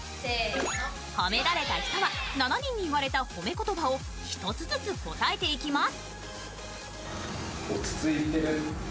褒められた人は７人に言われた褒め言葉を１つずつ答えていきます。